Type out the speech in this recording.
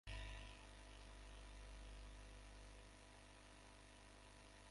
তিনি অর্থনীতিতে স্নাতক পাস করেন।